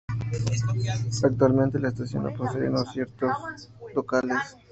Actualmente, la estación no posee noticieros locales.